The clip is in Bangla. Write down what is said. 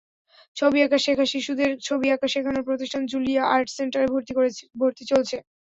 ছবি আঁকা শেখাশিশুদের ছবি আঁকা শেখানোর প্রতিষ্ঠান জুলিয়া আর্ট সেন্টারে ভর্তি চলছে।